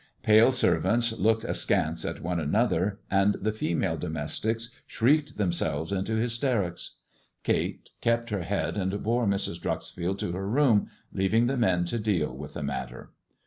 Palo servants looked askance at one another, and tlie fenialo domestics slirieked themselves into hystenoa. Kate kept her head and l>ore Mrs. Dreuxfield to her toOHi leaving the men to deal with the matter.